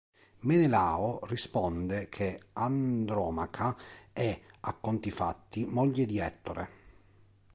Menelao risponde che Andromaca è, a conti fatti, moglie di Ettore.